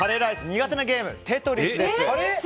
苦手なゲームは「テトリス」です。